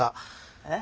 えっ？